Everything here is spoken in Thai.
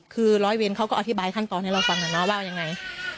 คือร้อยเวรเขาก็อธิบายขั้นตอนให้เราฟังนะว่ายังไง